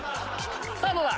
さぁどうだ？